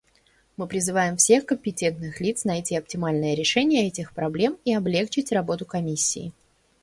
Мы призываем всех компетентных лиц найти оптимальное решение этих проблем и облегчить работу Комиссии.